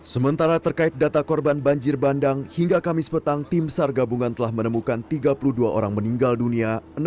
sementara terkait data korban banjir bandang hingga kamis petang tim sar gabungan telah menemukan tiga puluh dua orang meninggal dunia